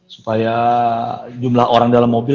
supaya jumlah orang dalam mobil